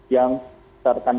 yang serta perang